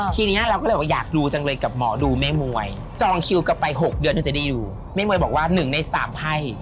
ทีนี้เราก็เลยอยากดูจังเลยกับหมอดูแม่มวย